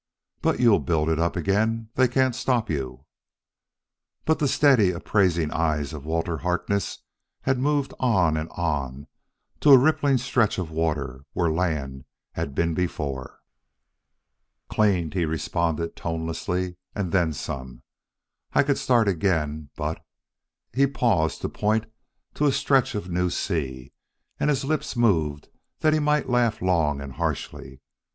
But you'll build it up again; they can't stop you " But the steady, appraising eyes of Walter Harkness had moved on and on to a rippling stretch of water where land had been before. "Cleaned," he responded tonelessly; "and then some! And I could start again, but " He paused to point to the stretch of new sea, and his lips moved that he might laugh long and harshly.